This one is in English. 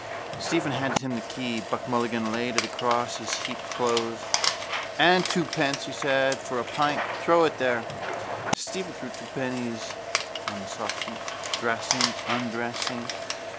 Stephen handed him the key. Buck Mulligan laid it across his heaped clothes. —And twopence, he said, for a pint. Throw it there. Stephen threw two pennies on the soft heap. Dressing, undressing.